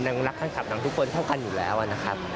รักแฟนคลับนางทุกคนเท่ากันอยู่แล้วนะครับ